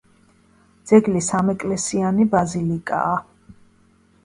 ძეგლი სამეკლესიიანი ბაზილიკაა.